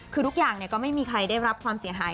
คือทุกอย่างก็ไม่มีใครได้รับความเสียหาย